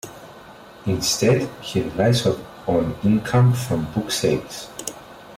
Instead, he relies on income from book sales.